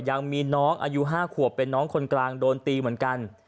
ยังมีน้องอายุ๕ขวบเป็นน้องคนกลางโดนตีเหมือนกัน